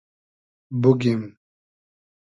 بوگیم